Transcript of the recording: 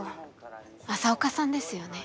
朝岡さんですよね。